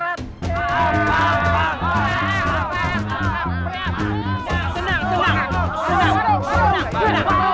tenang tenang tenang tenang tenang tenang